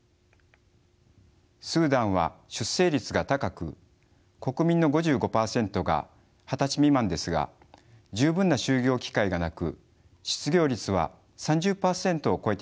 スーダンは出生率が高く国民の５５％が二十歳未満ですが十分な就業機会がなく失業率は３０％を超えていました。